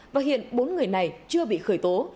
và hiện bốn người này chưa bị khởi tố